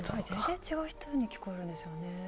全然違う人に聞こえるんですよね。